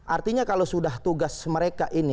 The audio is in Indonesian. artinya kalau sudah tugas mereka ini